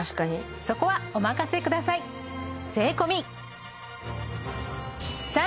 そこはお任せくださいお！